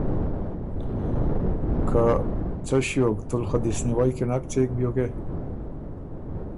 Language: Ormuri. که ”څۀ ݭیوک تُول خه دِسنیوئ کی نک څېک بيوکې؟“